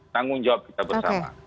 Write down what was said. tanggung jawab kita bersama